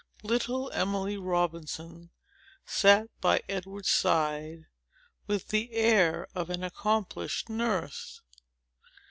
Little Emily Robinson sat by Edward's side, with the air of an accomplished nurse.